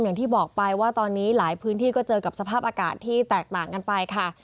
อย่างที่บอกไปว่าตอนนี้หลายพื้นที่ก็เจอกับสภาพอากาศที่แตกต่างกันไปค่ะ